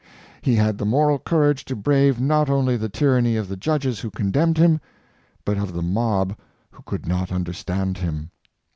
He had the moral courage to brave not only the tyranny of the judges who condemned him, but of the mob who could not un derstand him.